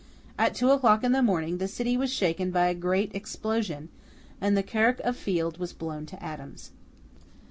At two o'clock in the morning the city was shaken by a great explosion, and the Kirk of Field was blown to atoms.